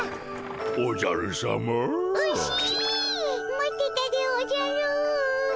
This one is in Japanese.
待ってたでおじゃる。